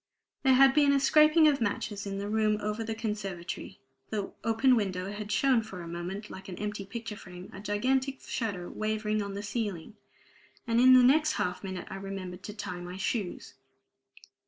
There had been a scraping of matches in the room over the conservatory; the open window had shown for a moment, like an empty picture frame, a gigantic shadow wavering on the ceiling; and in the next half minute I remembered to tie my shoes.